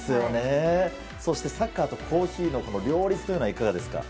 そしてサッカーとコーヒーの両立というのはいかがですか？